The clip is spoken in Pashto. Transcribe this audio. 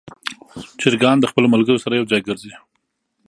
چرګان د خپلو ملګرو سره یو ځای ګرځي.